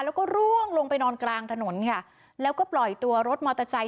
แล้วก็ร่วงลงไปนอนกลางถนนค่ะแล้วก็ปล่อยตัวรถมอเตอร์ไซค